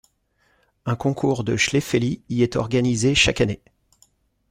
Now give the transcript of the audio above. Un concours de chlefeli y est organisé chaque année.